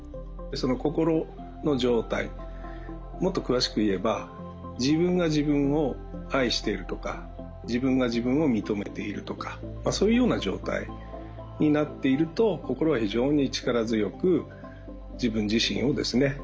その心の状態もっと詳しく言えば自分が自分を愛してるとか自分が自分を認めているとかそういうような状態になっていると心が非常に力強く自分自身をですね